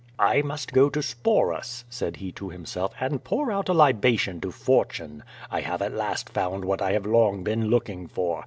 "I must go to Sporus,'* said he to himself, "and pour out a libation to Fortune. I have at last found what I have long been looking for.